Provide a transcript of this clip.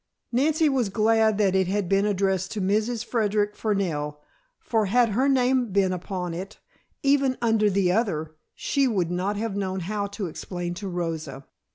Nancy was glad that it had been addressed to Mrs. Frederic Fernell, for had her name been upon it, even under the other, she would not have known how to explain to Rosa.